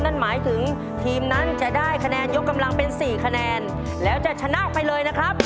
นั่นหมายถึงทีมนั้นจะได้คะแนนยกกำลังเป็นสี่คะแนนแล้วจะชนะไปเลยนะครับ